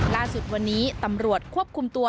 ล่าสุดวันนี้ตำรวจควบคุมตัว